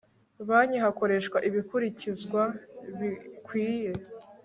banki hakoreshwa ibikurikizwa bikwiye